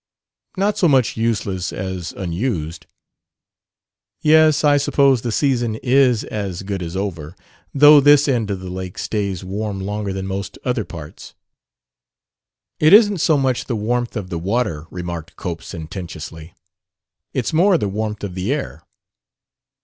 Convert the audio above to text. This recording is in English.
"Not so much useless as unused." "Yes, I suppose the season is as good as over, though this end of the lake stays warm longer than most other parts." "It isn't so much the warmth of the water," remarked Cope sententiously. "It's more the warmth of the air."